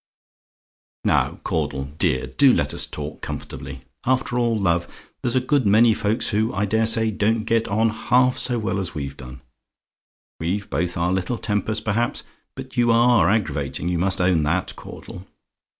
"Now, Caudle, dear, do let us talk comfortably. After all, love, there's a good many folks who, I daresay, don't get on half so well as we've done. We've both our little tempers, perhaps; but you ARE aggravating; you must own that, Caudle.